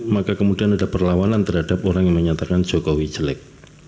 maka kemudian ada perlawanan terhadap orang yang menyatakan jokowi jelek